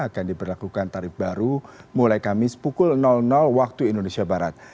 akan diberlakukan tarif baru mulai kamis pukul waktu indonesia barat